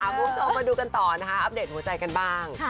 อัพเดทหัวใจกันบ้าง